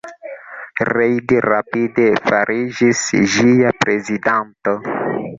Reid rapide fariĝis ĝia prezidanto.